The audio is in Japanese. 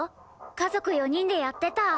家族４人でやってた！